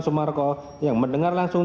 sumarko yang mendengar langsung